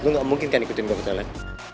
lo gak mungkin kan ikutin gue ke toilet